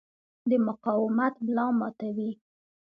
د مقاومت ملا ماتوي.